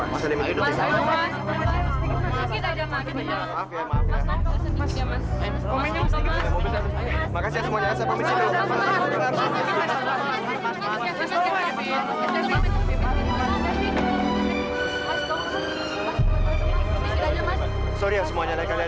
mas ada mitin hidup di sana